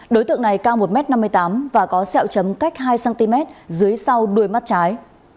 đối tượng này cao một m năm mươi tám và có sẹo chấm cách hai cm dưới sau đuôi mắt trái